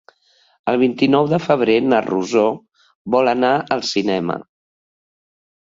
El vint-i-nou de febrer na Rosó vol anar al cinema.